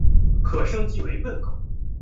可升级成奔狗。